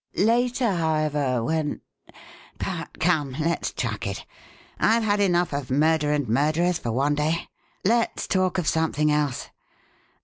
Later, however, when But come, let's chuck it! I've had enough of murder and murderers for one day let's talk of something else.